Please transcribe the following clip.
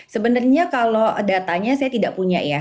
sebenarnya kalau datanya saya tidak punya ya